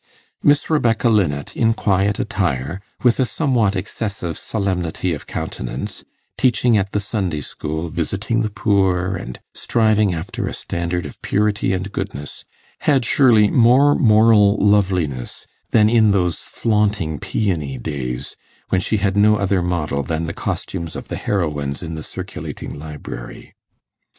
Miss Rebecca Linnet, in quiet attire, with a somewhat excessive solemnity of countenance, teaching at the Sunday school, visiting the poor, and striving after a standard of purity and goodness, had surely more moral loveliness than in those flaunting peony days, when she had no other model than the costumes of the heroines in the circulating library.